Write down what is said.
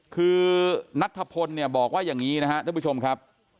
คือนัทภพลบอกว่าอย่างนี้น้องผู้ชมครับ